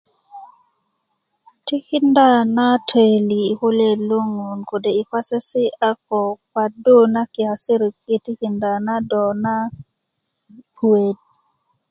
tikinda na töyili yi kulyeet lo ŋun kode' yi kwasesi' a ko kwaddu na kiyasasirik yi tikinda na do na puet